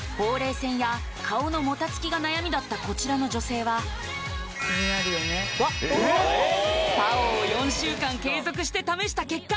線や顔のもたつきが悩みだったこちらの女性はＰＡＯを４週間継続して試した結果